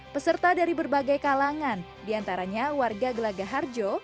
peserta dari berbagai kalangan diantaranya warga gelaga harjo